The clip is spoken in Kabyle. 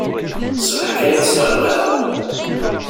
Ṣbeḥ kan i tesseɣ lqahwa.